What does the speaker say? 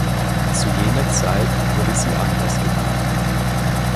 Zu jener Zeit wurde sie anders genannt.